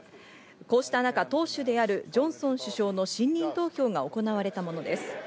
こうしたなか党首であるジョンソン首相の信任投票が行われたものです。